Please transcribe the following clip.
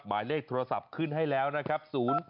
หมายเลขโทรศัพท์ขึ้นให้แล้วนะครับ๐๘๙๗๐๒๕๔๐๒